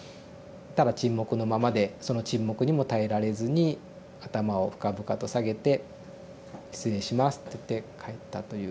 ただ沈黙のままでその沈黙にも耐えられずに頭を深々と下げて「失礼します」っていって帰ったという経験がありました。